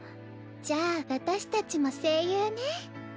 じゃあ私たちも声優ね。